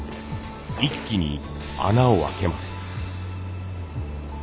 一気に穴を開けます。